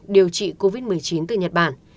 điều trị covid một mươi chín từ nhật bản